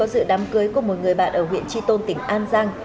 giữa đám cưới của một người bạn ở huyện tri tôn tỉnh an giang